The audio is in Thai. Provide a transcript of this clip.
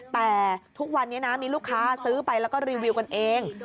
แต่ทุกวันนี้นะมีลูกค้าซื้อไปแล้วก็รีวิวกันเอง